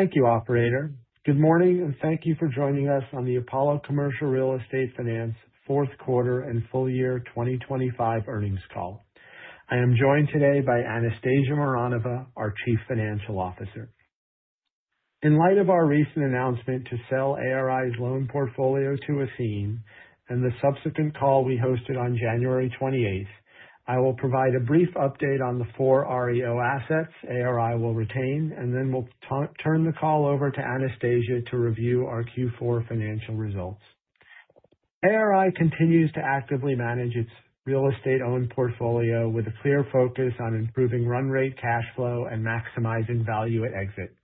Thank you, operator. Good morning, and thank you for joining us on the Apollo Commercial Real Estate Finance fourth quarter and full year 2025 earnings call. I am joined today by Anastasia Mironova, our Chief Financial Officer. In light of our recent announcement to sell ARI's loan portfolio to Athene, and the subsequent call we hosted on January 28th, I will provide a brief update on the four REO assets ARI will retain, and then we'll turn the call over to Anastasia to review our Q4 financial results. ARI continues to actively manage its real estate owned portfolio with a clear focus on improving run rate, cash flow, and maximizing value at exit.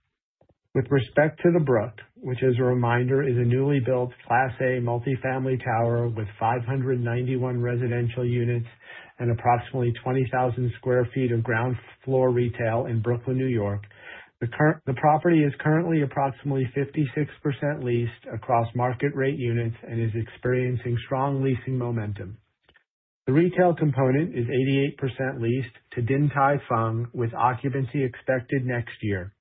With respect to The Brook, which as a reminder, is a newly built Class A multifamily tower with 591 residential units and approximately 20,000 sq ft of ground floor retail in Brooklyn, New York. The property is currently approximately 56% leased across market rate units and is experiencing strong leasing momentum. The retail component is 88% leased to Din Tai Fung, with occupancy expected next year.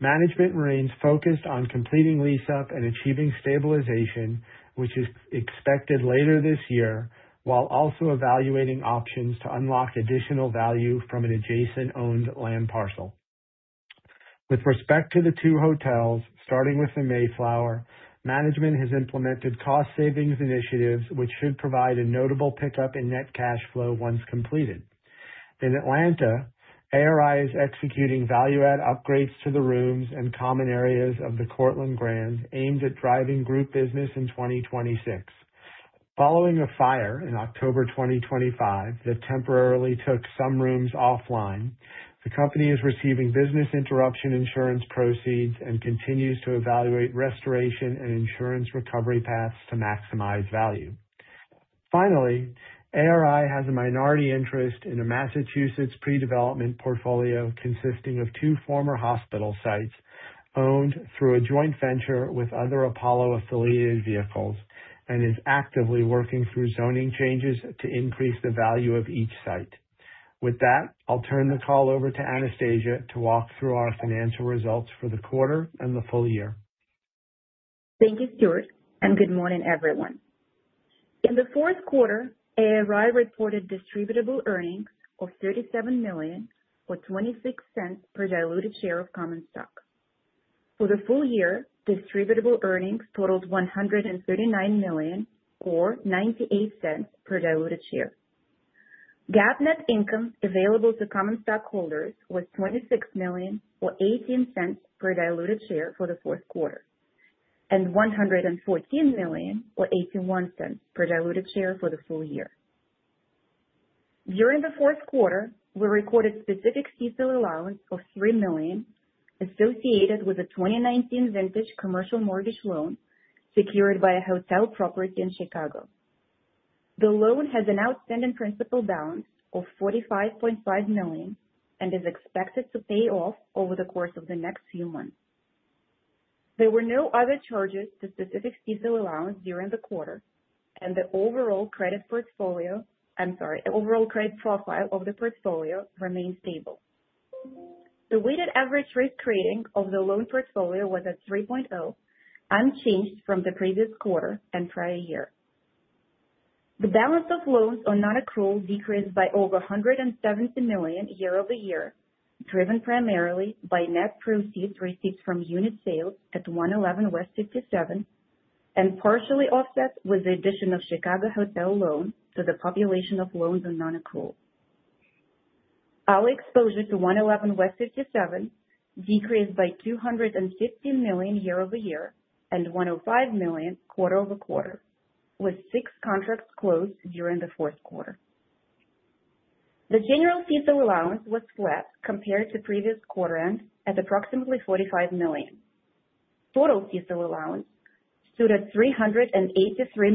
Management remains focused on completing lease up and achieving stabilization, which is expected later this year, while also evaluating options to unlock additional value from an adjacent owned land parcel. With respect to the two hotels, starting with the Mayflower, management has implemented cost savings initiatives, which should provide a notable pickup in net cash flow once completed. In Atlanta, ARI is executing value-add upgrades to the rooms and common areas of the Courtland Grand, aimed at driving group business in 2026. Following a fire in October 2025 that temporarily took some rooms offline, the company is receiving business interruption insurance proceeds and continues to evaluate restoration and insurance recovery paths to maximize value. Finally, ARI has a minority interest in a Massachusetts pre-development portfolio consisting of two former hospital sites owned through a joint venture with other Apollo-affiliated vehicles, and is actively working through zoning changes to increase the value of each site. With that, I'll turn the call over to Anastasia to walk through our financial results for the quarter and the full year. Thank you, Stuart, and good morning, everyone. In the fourth quarter, ARI reported distributable earnings of $37 million, or $0.26 per diluted share of common stock. For the full year, distributable earnings totaled $139 million, or $0.98 per diluted share. GAAP net income available to common stockholders was $26 million, or $0.18 per diluted share for the fourth quarter, and $114 million, or $0.81 per diluted share for the full year. During the fourth quarter, we recorded specific CECL allowance of $3 million associated with a 2019 vintage commercial mortgage loan secured by a hotel property in Chicago. The loan has an outstanding principal balance of $45.5 million and is expected to pay off over the course of the next few months. There were no other charges to specific CECL allowance during the quarter, and the overall credit portfolio... I'm sorry, overall credit profile of the portfolio remained stable. The weighted average risk rating of the loan portfolio was at 3.0, unchanged from the previous quarter and prior year. The balance of loans on nonaccrual decreased by over $170 million year-over-year, driven primarily by net proceeds received from unit sales at 111 West 57th, and partially offset with the addition of Chicago hotel loan to the population of loans on nonaccrual. Our exposure to 111 West 57th decreased by $250 million year-over-year, and $105 million quarter-over-quarter, with 6 contracts closed during the fourth quarter. The general CECL allowance was flat compared to previous quarter end, at approximately $45 million. Total CECL allowance stood at $383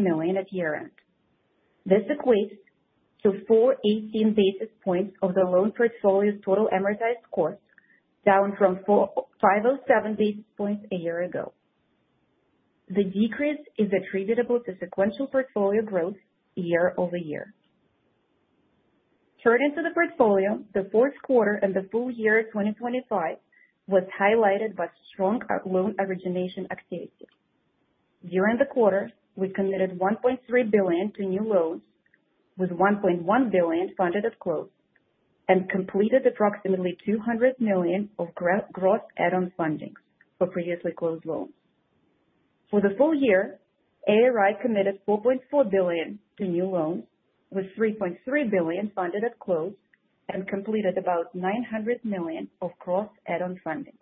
million at year-end. This equates to 418 basis points of the loan portfolio's total amortized cost, down from 457 basis points a year ago. The decrease is attributable to sequential portfolio growth year over year. Turning to the portfolio, the fourth quarter and the full year 2025 was highlighted by strong loan origination activity. During the quarter, we committed $1.3 billion to new loans, with $1.1 billion funded at close, and completed approximately $200 million of gross add-on fundings for previously closed loans. For the full year, ARI committed $4.4 billion to new loans, with $3.3 billion funded at close and completed about $900 million of gross add-on fundings.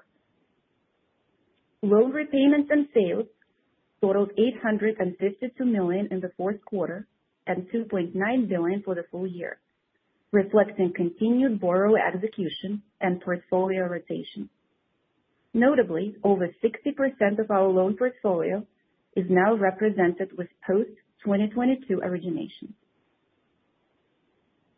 Loan repayments and sales totaled $852 million in the fourth quarter, and $2.9 billion for the full year, reflecting continued borrower execution and portfolio rotation. Notably, over 60% of our loan portfolio is now represented with post-2022 origination.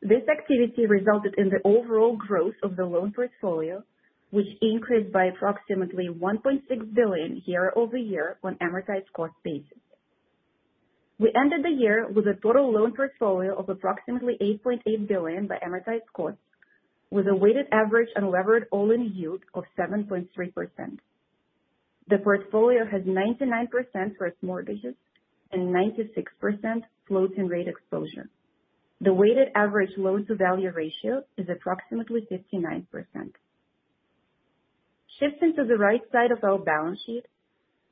This activity resulted in the overall growth of the loan portfolio, which increased by approximately $1.6 billion year-over-year on amortized cost basis. We ended the year with a total loan portfolio of approximately $8.8 billion by amortized cost, with a weighted average unlevered all-in yield of 7.3%. The portfolio has 99% first mortgages and 96% floating rate exposure. The weighted average loan-to-value ratio is approximately 59%. Shifting to the right side of our balance sheet,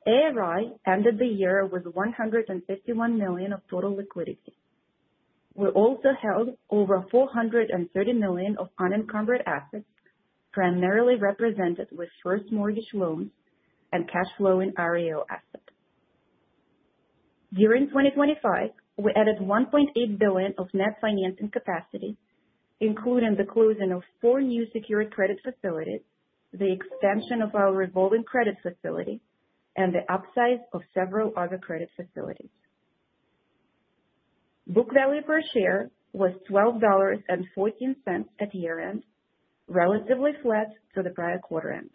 ARI ended the year with $151 million of total liquidity. We also held over $430 million of unencumbered assets, primarily represented with first mortgage loans and cash flow in REO assets. During 2025, we added $1.8 billion of net financing capacity, including the closing of four new secured credit facilities, the expansion of our revolving credit facility, and the upsize of several other credit facilities. Book value per share was $12.14 at year-end, relatively flat to the prior quarter end.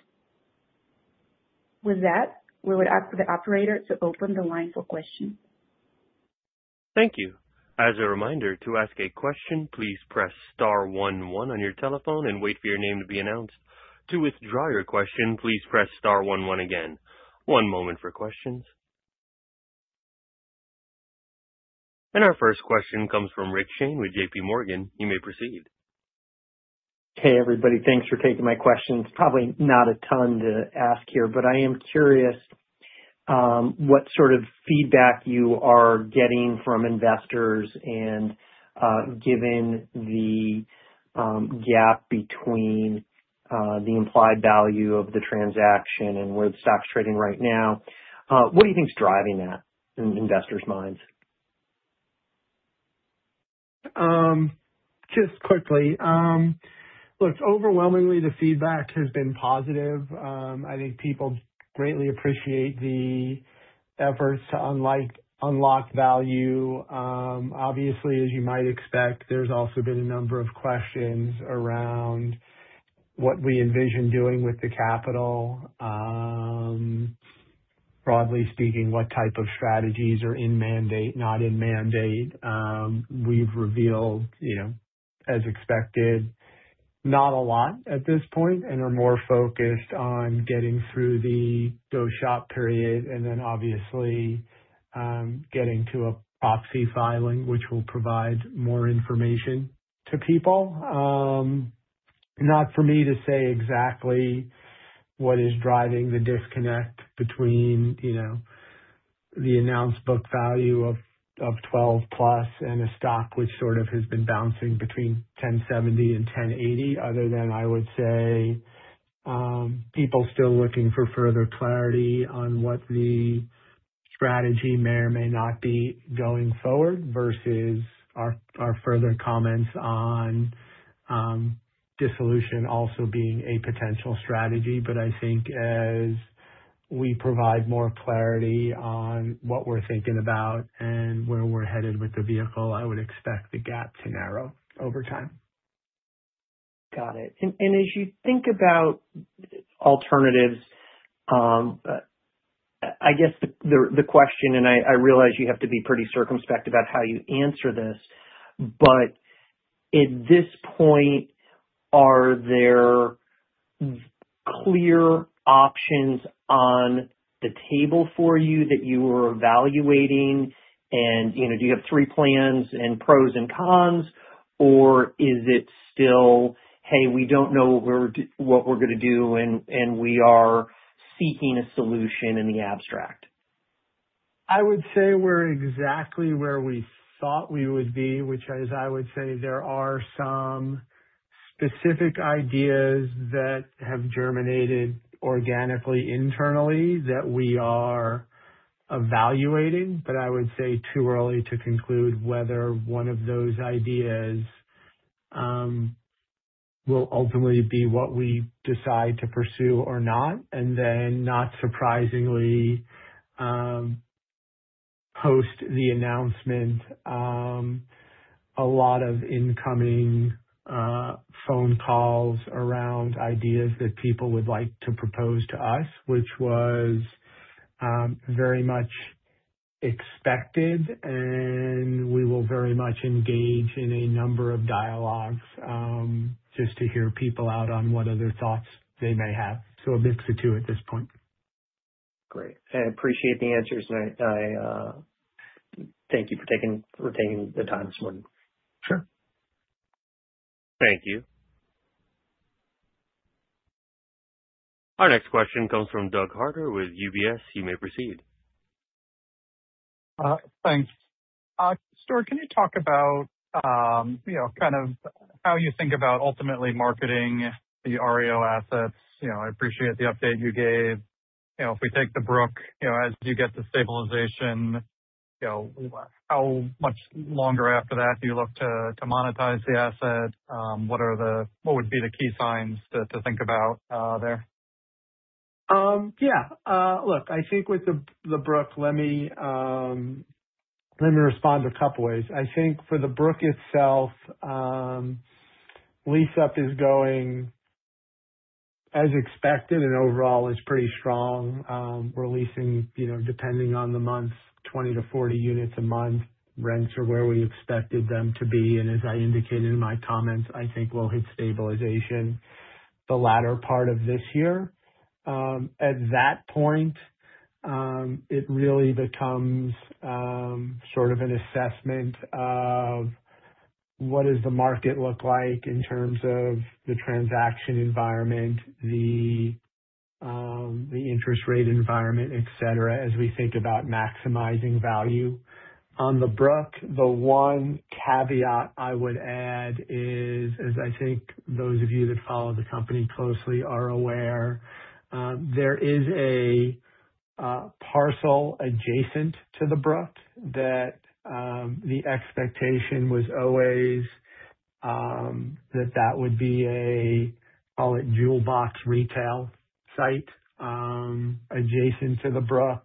With that, we would ask the operator to open the line for questions. Thank you. As a reminder, to ask a question, please press star one one on your telephone and wait for your name to be announced. To withdraw your question, please press star one one again. One moment for questions. Our first question comes from Rick Shane with JP Morgan. You may proceed. Hey, everybody. Thanks for taking my questions. Probably not a ton to ask here, but I am curious what sort of feedback you are getting from investors and, given the gap between the implied value of the transaction and where the stock's trading right now, what do you think is driving that in investors' minds? Just quickly. Look, overwhelmingly, the feedback has been positive. I think people greatly appreciate the efforts to unlock value. Obviously, as you might expect, there's also been a number of questions around what we envision doing with the capital. Broadly speaking, what type of strategies are in mandate, not in mandate. We've revealed, you know, as expected, not a lot at this point and are more focused on getting through the Go-Shop Period and then obviously, getting to a proxy filing, which will provide more information to people. Not for me to say exactly what is driving the disconnect between, you know, the announced book value of $12+ and a stock, which sort of has been bouncing between $10.70 and $10.80, other than I would say, people still looking for further clarity on what the strategy may or may not be going forward versus our further comments on dissolution also being a potential strategy. But I think as we provide more clarity on what we're thinking about and where we're headed with the vehicle, I would expect the gap to narrow over time. Got it. And as you think about alternatives, I guess the question, and I realize you have to be pretty circumspect about how you answer this, but at this point, are there clear options on the table for you that you are evaluating? And, you know, do you have three plans and pros and cons, or is it still, "Hey, we don't know what we're gonna do, and we are seeking a solution in the abstract? I would say we're exactly where we thought we would be, which is, I would say there are some specific ideas that have germinated organically, internally, that we are evaluating. But I would say too early to conclude whether one of those ideas will ultimately be what we decide to pursue or not. And then, not surprisingly, post the announcement, a lot of incoming phone calls around ideas that people would like to propose to us, which was very much expected, and we will very much engage in a number of dialogues just to hear people out on what other thoughts they may have. So a mix of two at this point. Great. I appreciate the answers, and I thank you for taking the time this morning. Sure. Thank you. Our next question comes from Doug Harter with UBS. You may proceed. Thanks. Stuart, can you talk about, you know, kind of how you think about ultimately marketing the REO assets? You know, I appreciate the update you gave. You know, if we take The Brook, you know, as you get the stabilization, you know, how much longer after that do you look to, to monetize the asset? What are the... What would be the key signs to, to think about, there? Yeah. Look, I think with the, the Brook, let me, let me respond a couple ways. I think for The Brook itself, lease-up is going as expected and overall is pretty strong. We're leasing, you know, depending on the month, 20-40 units a month. Rents are where we expected them to be, and as I indicated in my comments, I think we'll hit stabilization the latter part of this year. At that point, it really becomes sort of an assessment of what does the market look like in terms of the transaction environment, the interest rate environment, et cetera, as we think about maximizing value. On The Brook, the one caveat I would add is, as I think those of you that follow the company closely are aware, there is a parcel adjacent to The Brook that, the expectation was always, that that would be a, call it jewel box retail site, adjacent to The Brook.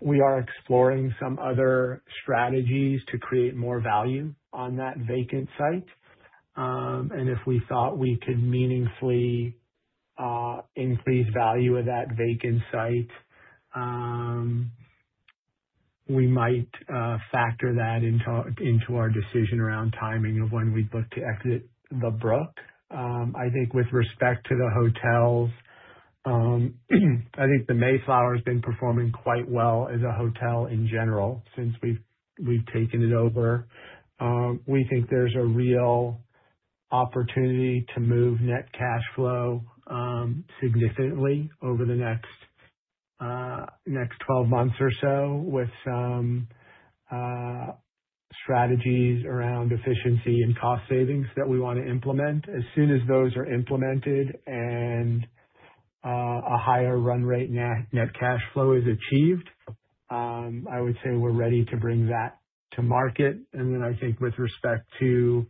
We are exploring some other strategies to create more value on that vacant site. And if we thought we could meaningfully increase value of that vacant site, we might factor that into our decision around timing of when we'd look to exit The Brook. I think with respect to the hotels, I think the Mayflower's been performing quite well as a hotel in general since we've taken it over. We think there's a real opportunity to move net cash flow significantly over the next 12 months or so, with some strategies around efficiency and cost savings that we wanna implement. As soon as those are implemented and a higher run rate net cash flow is achieved, I would say we're ready to bring that to market. Then I think with respect to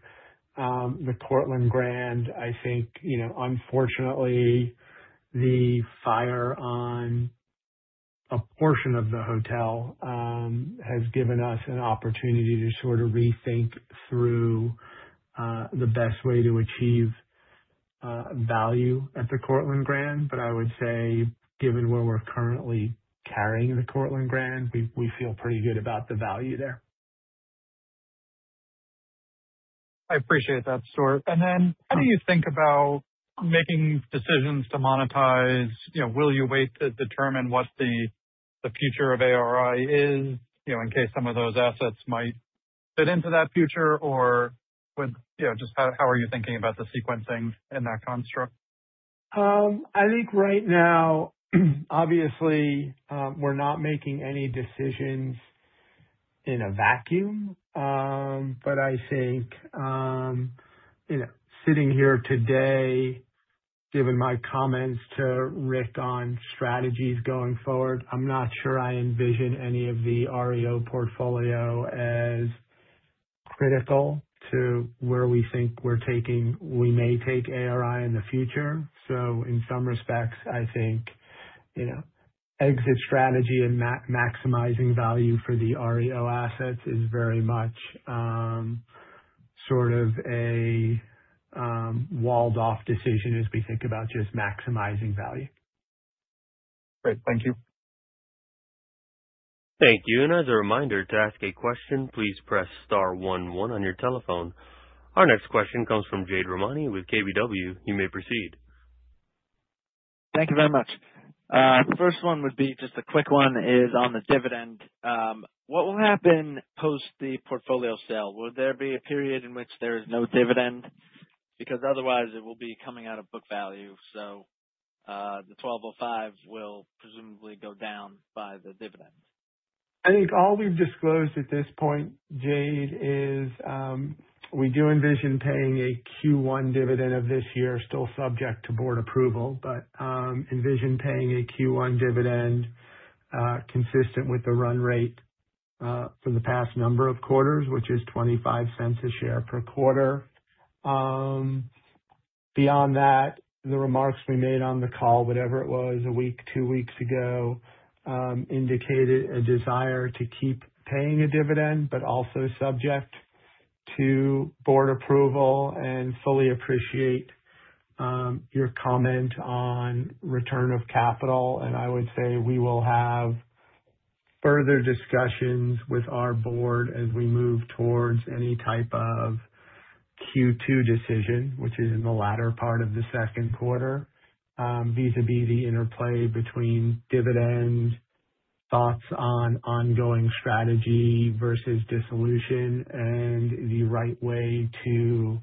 the Courtland Grand, I think, you know, unfortunately, the fire on a portion of the hotel has given us an opportunity to sort of rethink through the best way to achieve value at the Courtland Grand. But I would say, given where we're currently carrying the Courtland Grand, we feel pretty good about the value there. I appreciate that, Stuart. And then how do you think about making decisions to monetize? You know, will you wait to determine what the future of ARI is, you know, in case some of those assets might fit into that future? Or would... You know, just how are you thinking about the sequencing in that construct? I think right now, obviously, we're not making any decisions in a vacuum. But I think, you know, sitting here today, given my comments to Rick on strategies going forward, I'm not sure I envision any of the REO portfolio as critical to where we think we're taking... We may take ARI in the future. So in some respects, I think, you know, exit strategy and maximizing value for the REO assets is very much, sort of a walled off decision as we think about just maximizing value. Great. Thank you. Thank you. As a reminder, to ask a question, please press star one one on your telephone. Our next question comes from Jade Rahmani with KBW. You may proceed. Thank you very much. The first one would be just a quick one, is on the dividend. What will happen post the portfolio sale? Will there be a period in which there is no dividend? Because otherwise it will be coming out of book value, so, the $1.205 will presumably go down by the dividend. I think all we've disclosed at this point, Jade, is we do envision paying a Q1 dividend of this year, still subject to board approval, but envision paying a Q1 dividend consistent with the run rate for the past number of quarters, which is $0.25 a share per quarter. Beyond that, the remarks we made on the call, whatever it was, a week, two weeks ago indicated a desire to keep paying a dividend, but also subject to board approval, and fully appreciate your comment on return of capital. And I would say we will have further discussions with our board as we move towards any type of Q2 decision, which is in the latter part of the second quarter. Vis-à-vis, the interplay between dividends, thoughts on ongoing strategy versus dissolution, and the right way to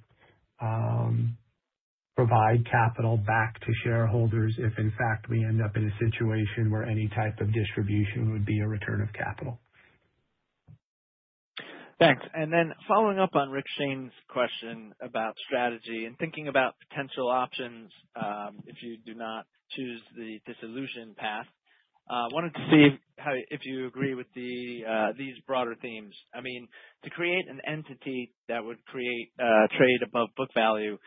provide capital back to shareholders, if in fact we end up in a situation where any type of distribution would be a return of capital. Thanks. And then, following up on Rick Shane's question about strategy and thinking about potential options, if you do not choose the dissolution path, if you agree with these broader themes. I mean, to create an entity that would trade above book value,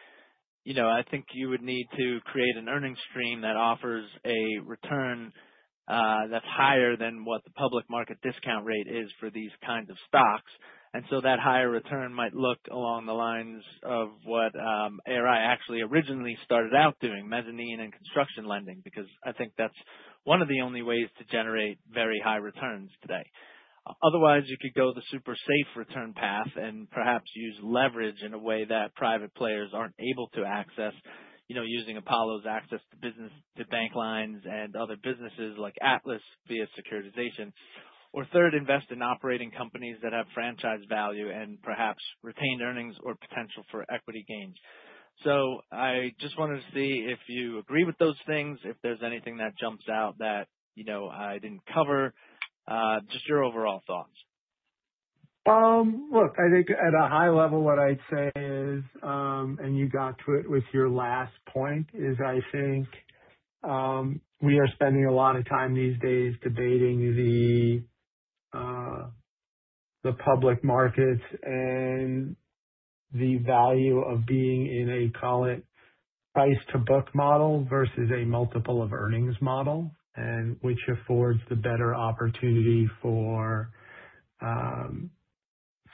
you know, I think you would need to create an earnings stream that offers a return that's higher than what the public market discount rate is for these kinds of stocks. And so that higher return might look along the lines of what ARI actually originally started out doing, mezzanine and construction lending, because I think that's one of the only ways to generate very high returns today. Otherwise, you could go the super safe return path and perhaps use leverage in a way that private players aren't able to access, you know, using Apollo's access to business, to bank lines and other businesses like Atlas, via securitization. Or third, invest in operating companies that have franchise value and perhaps retained earnings or potential for equity gains. So I just wanted to see if you agree with those things, if there's anything that jumps out that, you know, I didn't cover, just your overall thoughts. Look, I think at a high level, what I'd say is, and you got to it with your last point, is I think, we are spending a lot of time these days debating the public markets and the value of being in a, call it, price to book model versus a multiple of earnings model, and which affords the better opportunity for,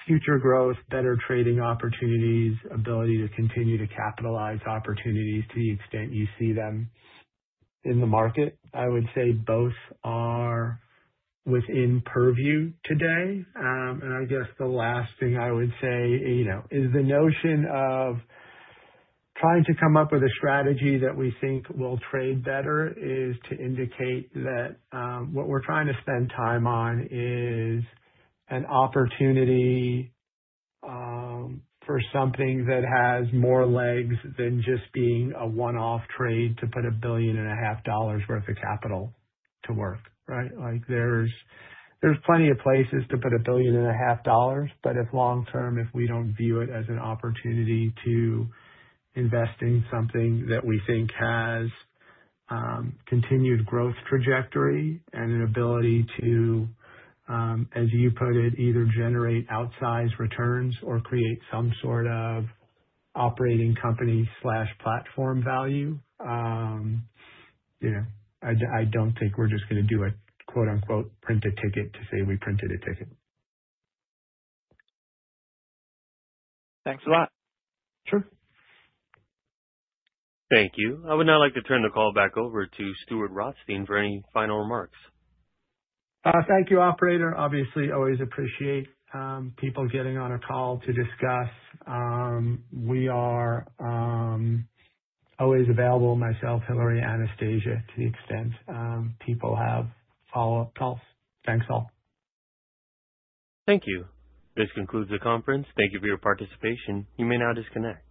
future growth, better trading opportunities, ability to continue to capitalize opportunities to the extent you see them in the market. I would say both are within purview today. And I guess the last thing I would say, you know, is the notion of trying to come up with a strategy that we think will trade better is to indicate that, what we're trying to spend time on is an opportunity, for something that has more legs than just being a one-off trade to put $1.5 billion worth of capital to work, right? Like, there's plenty of places to put $1.5 billion, but if long-term, if we don't view it as an opportunity to invest in something that we think has continued growth trajectory and an ability to, as you put it, either generate outsized returns or create some sort of operating company slash platform value, you know, I don't think we're just gonna do a, quote, unquote, "print a ticket to say we printed a ticket. Thanks a lot. Sure. Thank you. I would now like to turn the call back over to Stuart Rothstein for any final remarks. Thank you, operator. Obviously, always appreciate people getting on a call to discuss. We are always available, myself, Hilary, Anastasia, to the extent people have follow-up calls. Thanks, all. Thank you. This concludes the conference. Thank you for your participation. You may now disconnect.